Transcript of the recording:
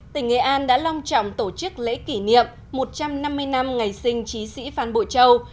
tỉnh nghệ an đã long trọng tổ chức lễ kỷ niệm một trăm năm mươi năm ngày sinh trí sĩ phan bộ châu